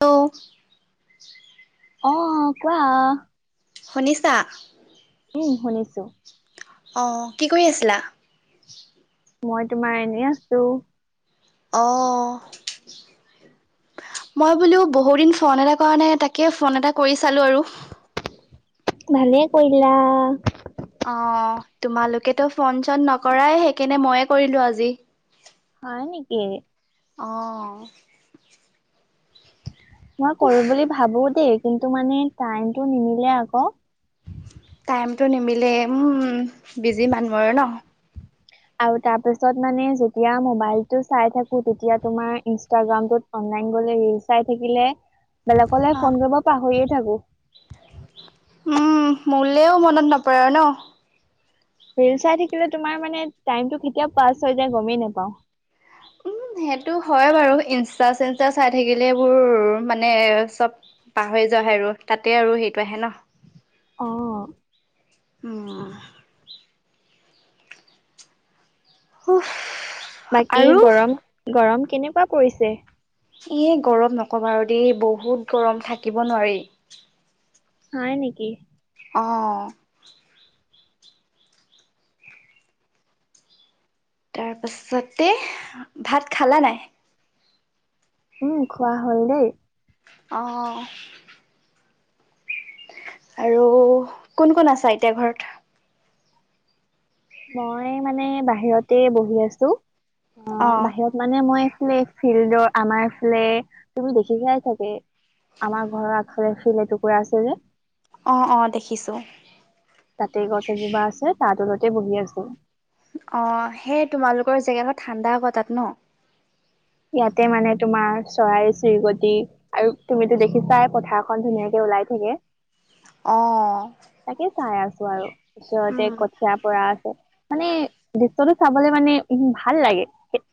Hello অ কোৱা শুনিছা উম শুনিছো অ কি কৰি আছিলা মই তোমাৰ এনেই আছো অ মই বোলো বহুত দিন ফোন এটা কাৰণে তাকে ফোন এটা কৰি চালো আৰু ভালে কৰিলা অ তোমালোকেতো ফোন চন নকৰাই সেইকাৰণে মইয়ে কৰিলো আজি হয় নেকি অ মই কৰো বুলি ভাবো দেই কিন্তু মানে টাইমটো নিমিলে আকৌ টাইমটো নিমিলে উম বিজি মানুহ আৰু ন আৰু তাৰ পিছত মানে যেতিয়া মবাইলটো চাই থাকোঁ তেতিয়া তোমাৰ ইস্টাগ্ৰামত গলে চাই থাকিলে বেলেকলৈ অ ফোন কৰিব পাহৰিয়ে থাকো উম মোলেও মনত নপৰে আৰু ন লিল চাই থাকিলে তোমাৰ মানে টাইমটো কেতিয়া পাছ হৈ যায় গমেই নাপাওঁ উম সেইটো হয় বাৰু ইনষ্টা চিষ্টা চাই থাকিলে এইবোৰ মানে চব পাহৰি যাব আহে আৰু তাতে আৰু সেইটো আহে ন অ উম সুহ বাকী গৰম গৰম কেনেকুৱা পৰিছে এ গৰম নকবা আৰু দেই বহুত গৰম থাকিব নোৱাৰি হয় নেকি অ তাৰ পাছতে ভাত খালা নাই উম খোৱা হল দেই অ আৰু কোন কোন আছা এতিয়া ঘৰত মই মানে বাহিৰতে বহি আছো অ অ', বাহিৰত মানে মই ফিল্ডৰ আমাৰ এইফালে তুমি দেখিছাই চাগে আমাৰ ঘৰৰ ফিল এটুকুৰা আছে যে অ অ দেখিছোঁ তাতেই গছ এজোপা আছে তাৰ তলতে বহি আছো অ সেই তোমালোকৰ জেগাখন ঠাণ্ডা হোৱা তাত ন ইয়াতে মানে তোমাৰ চৰাই চিৰিকতি আৰু তুমিতো দেখিছাই পথাৰখন ধুনীয়াকে উলাই থাকে অ তাকে চাই আছো আৰু ওচৰতে উম, কঠিয়া পৰা মানে ভিতৰ চাবলে মানে উ ভাল লাগে কে-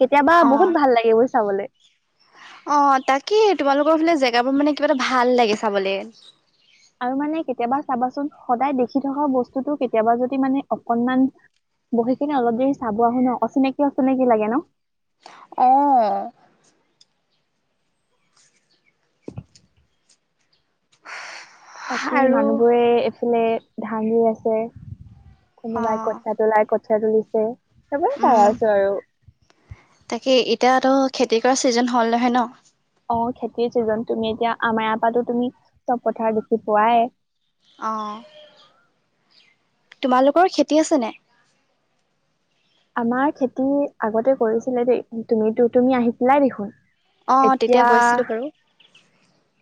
কেতিয়াবা অ বহুত ভাল এইবোৰ চাবলে অ তাকেই তোমালোকৰ ফালে জেগাবোৰ মানে কিবা এটা ভাল লাগে চাবলে আৰু মানে কেতিয়াবা চাবাচোন সদায় দেখি থকা বস্তুটো কেতিয়াবা যদি মানে অকনমান বহিকিনে অলপ দেৰি চাব আহো ন অচিনাকি অচিনাকি লাগে ন অ বাকী আৰু মানুহবোৰে এইফালে ধাঙি আছে কোনোবাই অ', কঠীয়া তোলাই কঠীয়া তুলিছে হেইবোৰকে চাই আছো আৰু এ এতিয়াতো খেতি কৰা ছিজন হ'ল নহয় ন? অ খেতিৰ চিজন তুমি এতিয়া আমাৰপাতো তুমি চব পথাৰ দেখি পোৱাই? অঁ। তোমালোকৰ খেতি আছে নে? আমাৰ খেতি আগতে কৰিছিলে দেই, তুমিটো তুমি আহিছিলাই দেখোন। অ', তেতিয়া এতিয়া, গৈছিলোঁ বাৰু।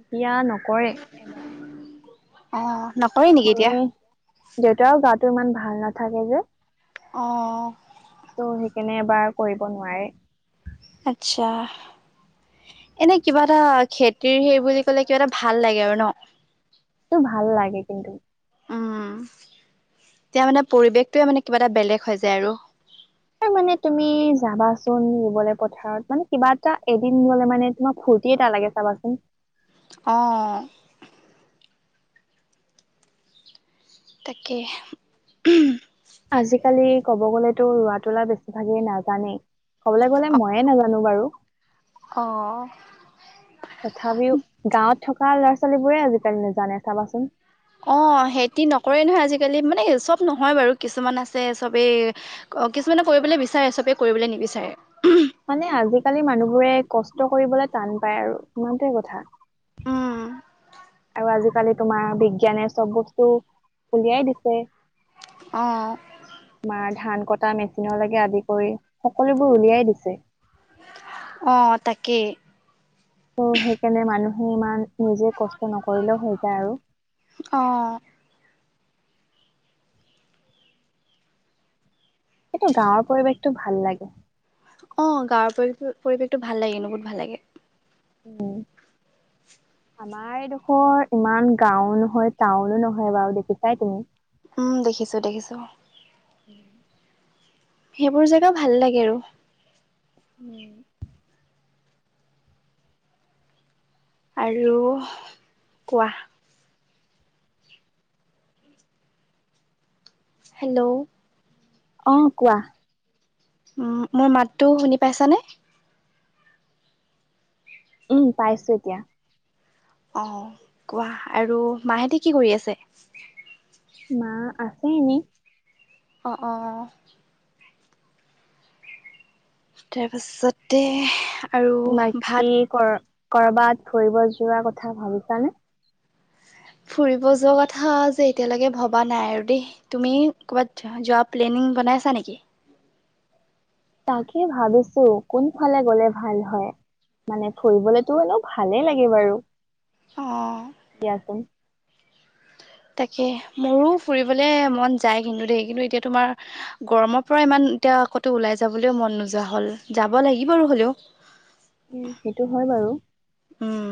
এতিয়া নকৰে এবাৰ অ', নকৰে নেকি এতিয়া? মমি দেউতাও গাটো ইমান ভাল নাথাকে যে। অহ। কেনেবাৰ কৰিব নোৱাৰে। আচ্ছা। এনে কিবা এটা খেতিৰ হেৰি বুলি কলে কিবা এটা ভাল লাগে আৰু ন। টো ভাল লাগে কিন্তু। উম, এতিয়া মানে পৰিৱেশটোৱে মানে কিবা এটা বেলেগ হৈ যায় আৰু। ত মানে তুমি যাবাচোন ৰুবলৈ পথাৰত মানে কিবা এটা এদিন ললে মানে তোমাৰ ফু তি এটা লাগে চাবাচোন। অঁ। তাকে উহুম। আজিকালি কব গলেতো ৰোৱা -তোলা বেছিভাগেই নাজানেই। কবলৈ গ'লে অ', ময়ে নাজানো বাৰু। অ'। তথাপিও গাঁৱত থকা ল'ৰা- ছোৱা ৱালীবোৰে আজিকালি নেজানে চাবাচোন? অ সেহতি নকৰে নহয় আজিকালি মানে চব নহয় বাৰু কিছুমান আছে চবেই অ কিছুমানে কৰিবলৈ বিচাৰে, চবে কৰিবলৈ নিবিচাৰে। মানে আজিকালি মানুহবোৰে কষ্ট কৰিবলৈ টান পায় আৰু ইমানটোৱে কথা। উম, আৰু আজিকালি তোমাৰ বিজ্ঞানে চব বস্তু উলিয়াই দিছে। অ', তোমাৰ ধান কটা মে চিনলৈকে আদি কৰি সকলোবোৰ উলিয়াই দিছে। অ তাকে। ত' সেইকাৰণে মানুহে ইমান নিজে কষ্ট নকৰিলেও হৈ যায় আৰু। অ। কিন্তু গাঁৱৰ পৰিৱেশটো ভাল লাগে। অ গাঁৱৰ পৰি পৰিৱেশটো ভাল লাগেনো বহুত ভাল লাগে। উম। [inaudible] আমাৰ এইডোখৰ ইমান গাও নহয় টাউনো নহয় বাৰু দেখিছাই তুমি? উম দেখিছো দেখিছো। [inaudible] সেইবোৰ জেগা ভাল লাগে আৰু। উম। আৰু কোৱা? হেল্ল'! অ কোৱা? মোৰ মাতটো শুনি পাইছানে? উম পাইছো এতিয়া। আহ কোৱা আৰু মাহেঁতে কি কৰি আছে? মা আছে এনে। অ অ। তাৰপাছতে আৰু ভাত বাকী কৰ- কৰবাত ফুৰিব যোৱা কথা ভাবিছানে? ফুৰিব যোৱা কথা যে এতিয়ালৈকে ভবা নাই আৰু দেই, তুমি ক'বাত যোৱা প্লেনে উম বনাইছা নেকি? তাকে ভাবিছো কোনফালে গলে ভাল হয়। মানে ফুৰিবলেতো অলপ ভালেই লাগে বাৰু। অ দিয়াচোন তাকে মোৰো ফুৰিবলে মন যায় কিন্তু দেই কিন্তু এতিয়া তোমাৰ গৰমৰ পৰা ইমান এতিয়া কতো ওলাই যাবলৈও মন নোযোৱা হল, যাব লাগিব আৰু হ'লেও উম সেইটো হয় বাৰু। উম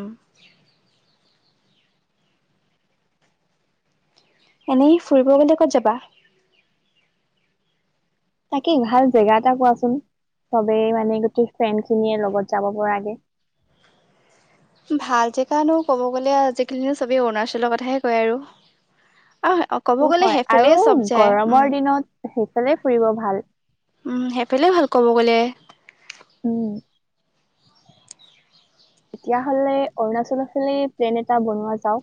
এনেই ফুৰিব গলে ক'ত যাবা? তাকেই ভাল জেগা এটা কোৱাচোন? সবেই মানে গোটেই ফ্ৰেণ্ড খিনিয়ে লগত যাব পৰাকে [inaudible] ভাল জেগানো ক'ব গ'লে আজিকালিও চবেই অৰুণাচলৰ কথাহে কয় আৰু। অ ক'ব টো গ'লে হয় সেইফালে আৰু চব যায় উম গৰমৰ দিনত সেইফালে ফুৰিব ভাল। উম সেইফালে ভাল ক'ব গ'লে। উম তেতিয়া হ'লে অৰুণাচল ফালে প্লেন এটা বনোৱা যাওক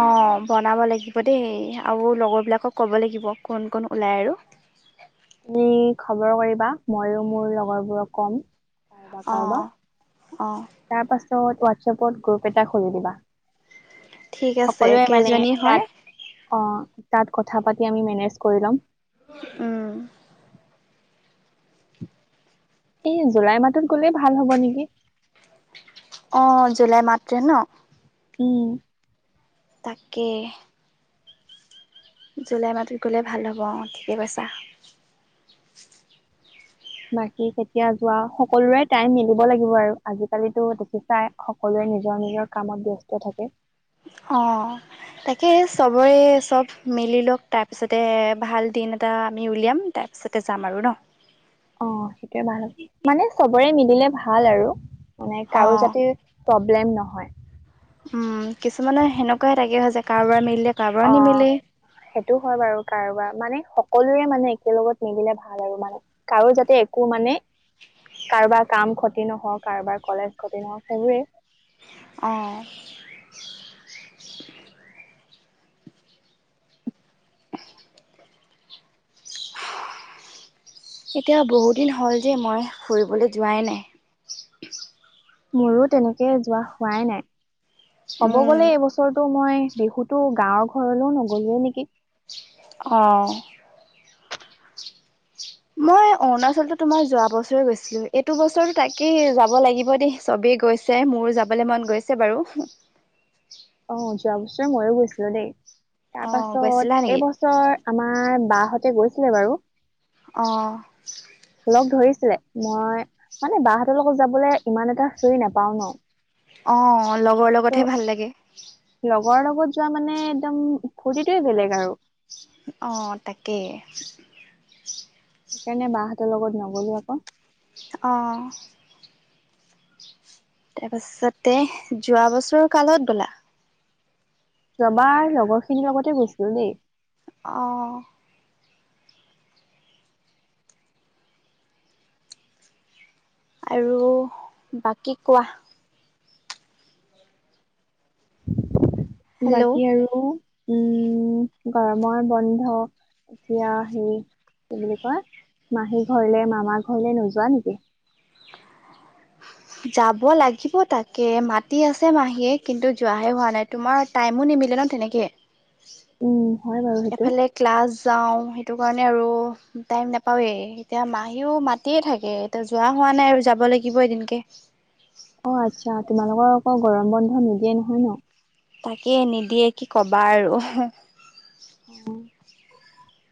অ বনাব লাগিব দেই। আৰু লগৰবিলাকক ক'ব লাগিব কোন কোন ওলায় আৰু তুমি খবৰ কৰিবা মইও মোৰ লগৰবোৰক কম কাৰোবাৰ অ কাৰোবাক অ তাৰ পাছত হোৱাটছএপত গ্ৰুপ এটা খুলি দিবা। ঠিক আছে সকলোৱে মানে কেইজনী হয় তাত। অ তাত কথা পাতি আমি মেনেজ কৰি ল'ম। উম এ জুলাই মাহত গ'লেই ভাল হ'ব নেকি। অ জুলাই মাটোতে ন [unintelligible] উম তাকে জুলাই মাহটোত গ'লে ভাল হ'ব অ ঠিকে কৈছা। বাকী কেতিয়া যোৱা সকলোৰে টাইম মিলিব লাগিব আৰু আজিকালি দেখিছাই সকলোৰে, নিজৰ নিজৰ কামত ব্যস্ত থাকে। অ তাকে চবৰে চব মিলি লওক তাৰপিছতে ভাল দিন এটা আমি উলিয়াম তাৰ তাছতে যাম আৰু ন [unintelligible] অ সেইটোৱে ভাল, মানে চবৰে মিলিলে ভাল আৰু মানে কাৰো অঁ জাতে, প্ৰব্লেম নহয়। উম কিছুমানৰ সেনেকুৱাই তাকে হয় যে কাৰোবাৰ মিলে কাৰোবাৰ অ নিমিলে। সেইটো হয় বাৰু কাৰোবাৰ মানে সকলোৰে মানে একে লগত মিলিলে ভাল আৰু মানে কাৰো যাতে একো মানে, কাৰোবাক কাম ক্ষতি নহওক কাৰোবাৰ কলেজ ক্ষতি নহওক সেইবোৰেই। অঁ এতিয়া বহুদিন হ'ল যে মই ফুৰিবলৈ যোৱাই নাই। মোৰো তেনেকে যোৱা হোৱাই নাই। কব গলে এই বছৰটো মই বিহুতো গাঁৱৰ ঘৰলৈও নগলো নেকি। অঁ মই অৰুণাচলতো তোমাৰ যোৱা বছৰে গৈছিলো। এইটো বছৰতো তাকেই যাব লাগিব দেই চব গৈছে মোৰো যাবলৈ মন গৈছে বাৰু। অ যোৱা বছৰ ময়ো গৈছিলো দেই তাৰ অঁ গৈছিলা পাছত নেকি এইবছৰ আমাৰ, বাহতে গৈছিলে বাৰু। অঁ লগ ধৰিছিলে মই মানে বাহতৰ লগত যাবলৈ ইমান এটা ফিৰি নাপাওঁ ন, অ লগৰ লগতহে ত' ভাল লাগে। লগৰ লগত যোৱা মানে একদম ফূৰ্তিটোয়ে বেলেগ আৰু অঁ তাকেই সেইকাৰণে বাহঁতৰ লগত নগলো আকৌ। অঁ তাৰপাছতে যোৱা বছৰ কালগত গ'লা। যোৱা বাৰ লগৰ খিনিৰ লগতে গৈছিলো দেই। অহ আৰু বাকী কোৱা। হেল্ল' বাকী আৰু উম গৰমৰ বন্ধ এতিয়া সেই কি বুলি কোৱা মাহী ঘৰলে মামাৰ ঘৰলে নোযোৱা নেকি? যাব লাগিব তাকে মাতি আছে মাহীয়ে কিন্তু যাহে হোৱা নাই তোমাৰ টাইমো নি। মিলে ন তেনেকে। উ এফালে ক্লাছ। যাওঁ সেইটো কাৰণে আৰু টাইম নাপাওঁৱেই এতিয়া মাহীও মায়ে থাকে এতিয়া যোৱা হয়। নাই আৰু যাব লাগিব এদিনকে অ আচ্ছা তোমালোকৰ আকৌ গৰম বন্ধ নিদিয়ে নহয় ন। তাকে নিদিয়ে কি কবা আৰু অ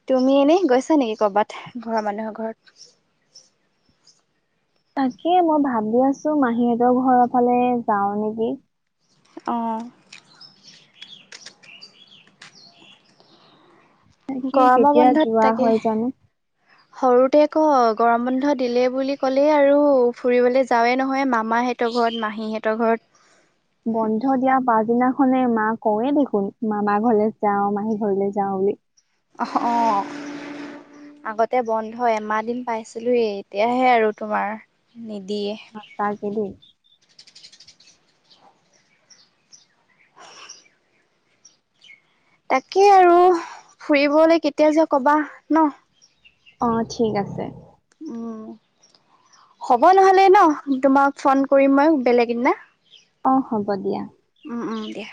তুমি এনেই গৈছা নেকি কৰ'বাত ঘৰৰ মানুহৰ ঘৰত তাকে মই ভাবি আছো মাহীহতৰ ঘৰৰ ফালে যাওঁ নেকি? অঁ তাকে গৰমৰ কেতিয়া বন্ধত যোৱা তাকে হয় জানো। সৰু তে ক গৰম বন্ধ দিলে বুলি ক'লে আৰু ফুৰিবলৈ যাৱে নহয় মামা হতৰ ঘৰত মা মাহী হঁতৰ ঘৰত খনে মা কওঁৱে দেখোন মামা ঘৰলে যাওঁ মাহী ঘৰলে যাওঁ বুলি। অ অ। আগতে বন্ধ এমাহ দিন পাইছিলোয়ে এতিয়াহে আৰু তোমাৰ নিদ সচাকে দেই [unintelligible] তাকেই আৰু ফুৰিবলৈ কেতিয়া যোৱা কবা ন অ ঠিক আছে। উম। হ'ব নহলে ন তোমাক ফোন কৰিম মই বেলেগ এদিনা। অ হ'ব দিয়া। উম উম দিয়া